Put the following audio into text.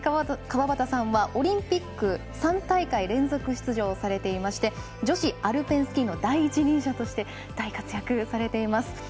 川端さんは、オリンピックに３大会連続出場されていまして女子アルペンスキーの第一人者として大活躍しています。